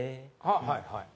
はいはい。